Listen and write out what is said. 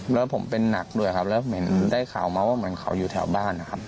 แล้วผมเป็นหนักด้วยครับแล้วเหมือนได้ข่าวมาว่าเหมือนเขาอยู่แถวบ้านนะครับ